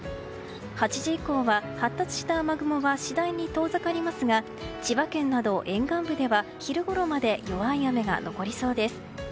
８時以降は発達した雨雲は次第に遠ざかりますが千葉県など沿岸部では昼ごろまで弱い雨が残りそうです。